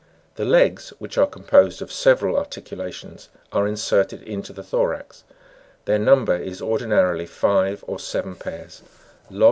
The legs, which are composed of several articulations, are inserted into the thorax : their number is ordinarily five or seven pairs ; lobsters and crabs 1.